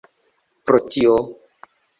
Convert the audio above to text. Pro tio.